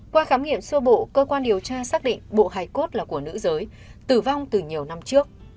qua khám nghiệm sơ bộ cơ quan điều tra xác định bộ hải cốt là của nữ giới tử vong từ nhiều năm trước